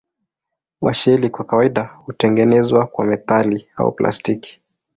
Washeli kwa kawaida hutengenezwa kwa metali au plastiki.